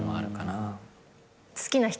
好きな人。